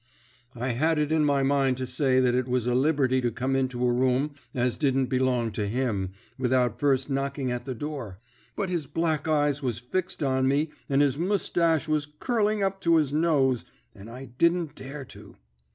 "I had it in my mind to say that it was a liberty to come into a room as didn't belong to him without first knocking at the door, but his black eyes was fixed on me and his moustache was curling up to his nose, and I didn't dare to.